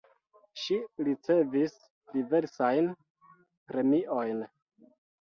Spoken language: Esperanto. Ŝi ricevis diversajn premiojn.